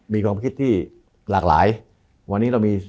มีความคิดที่หลากหลายวันนี้เรามี